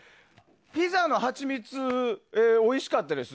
ピザのはちみつおいしかったです。